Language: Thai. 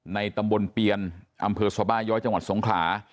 ในตำบลเปียนอำเภอสบาย้อยจังหวัดสงขลา